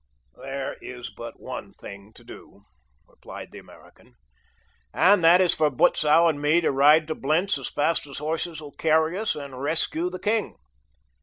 "There is but one thing to do," replied the American, "and that is for Butzow and me to ride to Blentz as fast as horses will carry us and rescue the king."